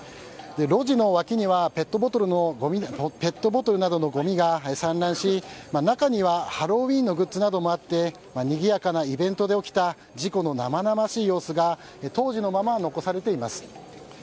路地の脇にはペットボトルなどのごみが散乱し中にはハロウィーンのグッズなどもあってにぎやかなイベントで起きた事故の生々しい様子が当時のまま残されています。